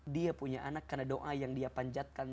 dia punya anak karena doa yang dia panjatkan